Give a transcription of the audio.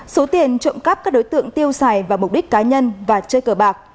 số tiền trộm cắp các đối tượng tiêu xài và mục đích cá nhân và chơi cờ bạc